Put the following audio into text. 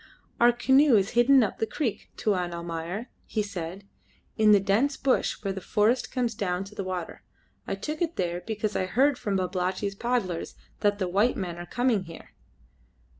"Our canoe is hidden up the creek, Tuan Almayer," he said, "in the dense bush where the forest comes down to the water. I took it there because I heard from Babalatchi's paddlers that the white men are coming here."